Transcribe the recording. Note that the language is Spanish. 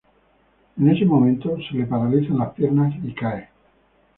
En ese momento, se le paralizan las piernas y cae.